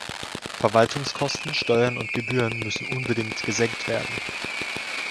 Verwaltungskosten, Steuern und Gebühren müssen unbedingt gesenkt werden.